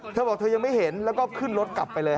เธอบอกเธอยังไม่เห็นแล้วก็ขึ้นรถกลับไปเลย